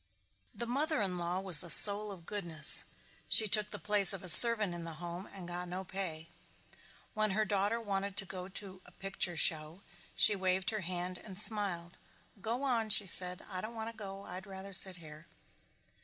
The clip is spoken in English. The mother in law was the soul of goodness. She took the place of a servant in the home and got no pay. When her daughter wanted to go to a picture show she waved her hand and smiled. "Go on," she said. "I don't want to go. I'd rather sit here."